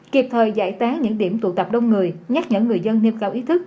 kịp thời giải tá những điểm tụ tập đông người nhắc nhở người dân niêm cao ý thức